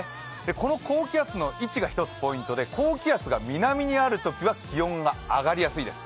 この高気圧の位置が一つポイントで、高気圧が南にあるときは気温が上がりやすいです。